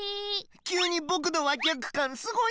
きゅうにぼくのわきやくかんすごいんだけど。